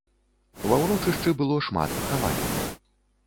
Ва ўрочышчы было шмат пахаванняў.